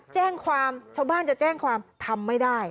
แจ้งความชาวบ้านจะแจ้งความทำไม่ได้